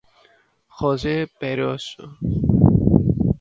Jose Perozo.